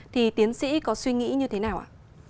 thì tiến sĩ có suy nghĩ như thế nào ạ